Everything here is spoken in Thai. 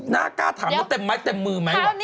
น่ากล้าถามว่าเต็มไม้เต็มมือไหมว่ะ